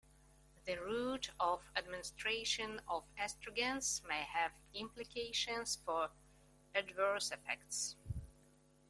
The route of administration of estrogens may have implications for adverse effects.